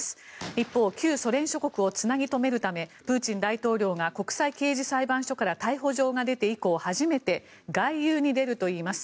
一方、旧ソ連諸国をつなぎ留めるためプーチン大統領が国際刑事裁判所から逮捕状が出て以降初めて外遊に出るといいます。